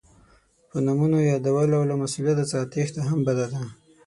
په نومونو یادول او له مسؤلیت څخه تېښته هم بده ده.